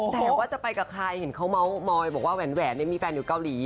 แต่ว่าจะไปกับใครเห็นเขาเมาส์มอยบอกว่าแหวนมีแฟนอยู่เกาหลี